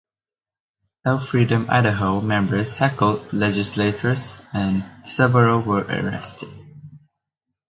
Health Freedom Idaho members heckled legislators and several were arrested.